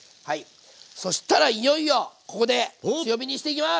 そしたらいよいよここで強火にしていきます！